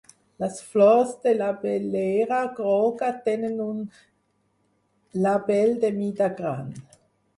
Les flors de l'abellera groga tenen un label de mida gran.